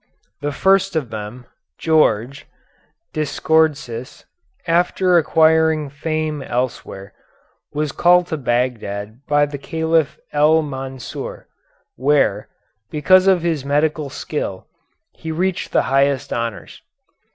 The first of them, George (Dschordschis), after acquiring fame elsewhere, was called to Bagdad by the Caliph El Mansur, where, because of his medical skill, he reached the highest honors.